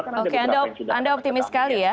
oke anda optimis sekali ya